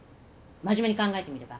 真面目に考えてみれば。